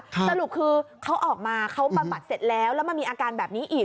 สรุปคือเขาออกมาเขาบำบัดเสร็จแล้วแล้วมันมีอาการแบบนี้อีก